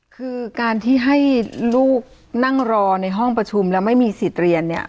คือการที่ให้ลูกนั่งรอในห้องประชุมแล้วไม่มีสิทธิ์เรียนเนี่ย